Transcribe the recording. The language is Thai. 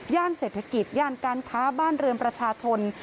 เศรษฐกิจย่านการค้าบ้านเรือนประชาชน